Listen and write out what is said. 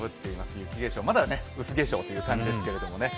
雪化粧、まだ薄化粧という感じですけどね。